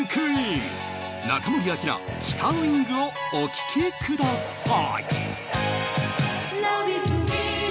中森明菜『北ウイング』をお聴きください